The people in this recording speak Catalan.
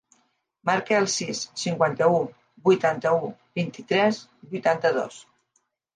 Marca el sis, cinquanta-u, vuitanta-u, vint-i-tres, vuitanta-dos.